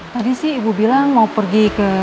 tadi sih ibu bilang mau pergi ke